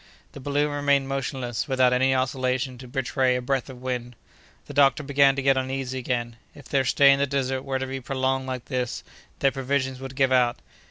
The balloon remained motionless, without any oscillation to betray a breath of wind. The doctor began to get uneasy again. If their stay in the desert were to be prolonged like this, their provisions would give out.